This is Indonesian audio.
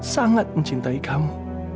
sangat mencintai kamu